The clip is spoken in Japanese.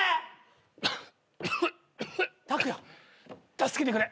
助けてくれ。